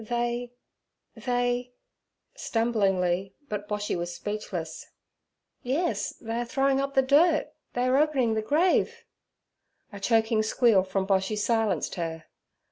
They, they' stumblingly, but Boshy was speechless—'yes, they are throwing up the dirt. They are opening the grave—' A choking squeal from Boshy silenced her.